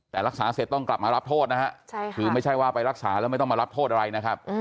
แต่รักษาเสร็จต้องกลับมารับโทษนะฮะคือไม่ใช่ว่าไปรักษาแล้วไม่ต้องมารับโทษอะไรนะครับ